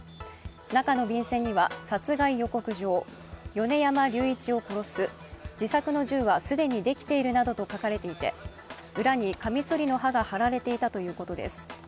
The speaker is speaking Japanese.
中の便箋には殺害予告状、米山隆一を殺す、自作の銃は既にできているなどと書かれていて、裏にカミソリの刃が貼られていたということです。